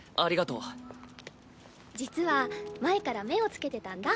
あ実は前から目を付けてたんだ